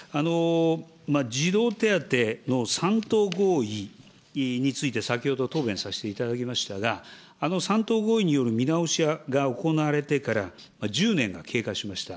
児童手当の３党合意について、先ほど答弁させていただきましたが、あの３党合意による見直しが行われてから、１０年が経過しました。